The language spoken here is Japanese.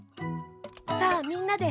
さあ、みんなで。